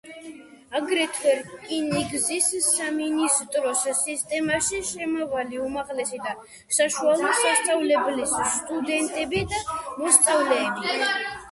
აგრეთვე, რკინიგზის სამინისტროს სისტემაში შემავალი უმაღლესი და საშუალო სასწავლებლების სტუდენტები და მოსწავლეები.